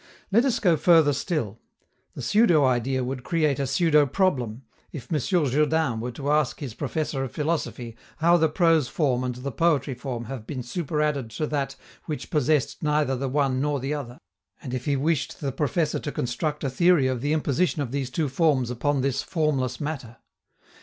Let us go further still: the pseudo idea would create a pseudo problem, if M. Jourdain were to ask his professor of philosophy how the prose form and the poetry form have been superadded to that which possessed neither the one nor the other, and if he wished the professor to construct a theory of the imposition of these two forms upon this formless matter.